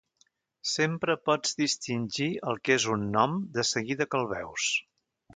Sempre pots distingir el que és un nom de seguida que el veus.